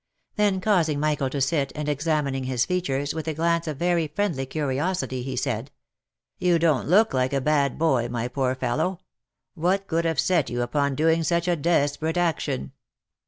, Then causing Michael to sit, and examining his features, with a glance of very friendly curiosity, he said, " You don't look like a bad boy, my poor fellow. What could have set you upon doing such a desperate action